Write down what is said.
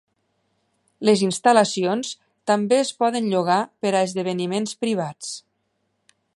Les instal·lacions també es poden llogar per a esdeveniments privats.